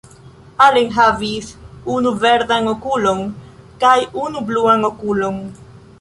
Allen havis unu verdan okulon kaj unu bluan okulon.